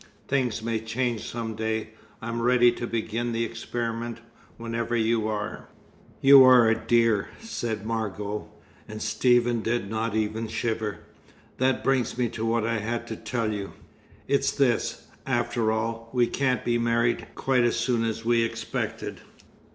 Things may change some day. I'm ready to begin the experiment whenever you are." "You are a dear," said Margot. And Stephen did not even shiver. "That brings me to what I had to tell you. It's this: after all, we can't be married quite as soon as we expected."